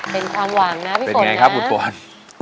เป็นความหวังนะพี่ฝนเป็นไงครับคุณฝน